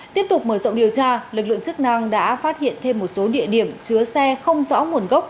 tiếp tục mở rộng điều tra lực lượng chức năng đã phát hiện thêm một số địa điểm chứa xe không rõ nguồn gốc